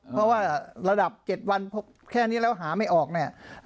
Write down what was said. เพราะว่าระดับ๗วันแค่นี้แล้วหาไม่ออกเนี่ย